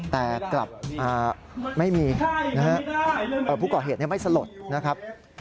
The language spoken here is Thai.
แต่กลับไม่มีนะฮะผู้ก่อเหตุไม่สลดนะครับ